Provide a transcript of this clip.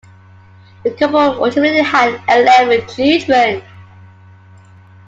The couple ultimately had eleven children.